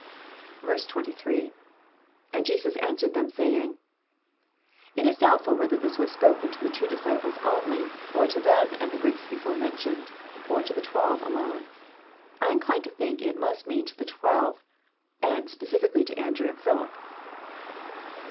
88. — lAfid Jesus answered them, saying,"] It is doubtftil whether this was spoken to the two disciples only, — or to them and the Greeks before mentioned, — or to the twelve alone. I incline to think it must mean to the twelve, and specially to Andrew and PhUip.